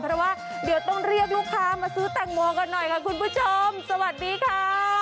เพราะว่าเดี๋ยวต้องเรียกลูกค้ามาซื้อแตงโมกันหน่อยค่ะคุณผู้ชมสวัสดีค่ะ